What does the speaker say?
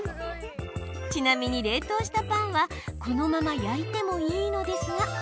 ちなみに冷凍したパンはこのまま焼いてもいいのですが。